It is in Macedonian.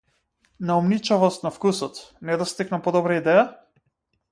Наумничавост на вкусот, недостиг на подобра идеја?